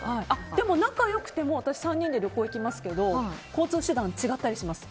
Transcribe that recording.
でも、仲良くても３人で旅行行きますけど交通手段が違ったりします。